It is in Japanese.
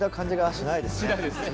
しないですね。